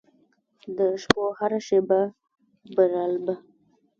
د شپو هره شیبه برالبه